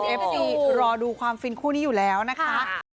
เอฟซีรอดูความฟินคู่นี้อยู่แล้วนะคะ